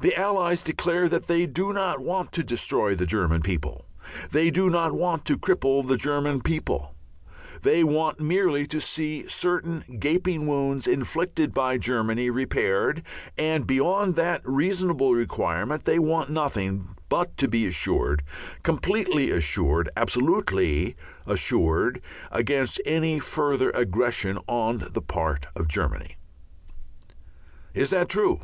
The Allies declare that they do not want to destroy the German people, they do not want to cripple the German people; they want merely to see certain gaping wounds inflicted by Germany repaired, and beyond that reasonable requirement they want nothing but to be assured, completely assured, absolutely assured, against any further aggressions on the part of Germany. Is that true?